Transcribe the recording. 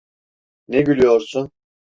Ne gülüyorsun?